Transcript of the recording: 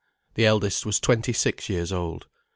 The eldest was twenty six years old.